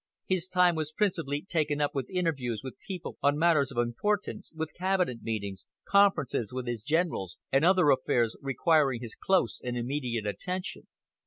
His time was principally taken up with interviews with people on matters of importance, with cabinet meetings, conferences with his generals, and other affairs requiring his close and immediate attention.